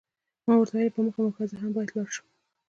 ما ورته وویل، په مخه مو ښه، زه هم باید ولاړ شم.